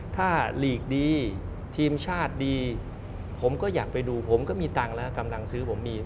ถ้าหลีกดีทีมชาติดีผมก็อยากไปดูผมก็มีตังค์แล้วกำลังซื้อผมมี